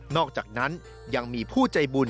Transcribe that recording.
อกจากนั้นยังมีผู้ใจบุญ